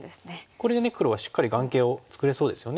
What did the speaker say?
これで黒はしっかり眼形を作れそうですよね。